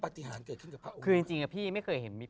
พี่ยังไม่ได้เลิกแต่พี่ยังไม่ได้เลิก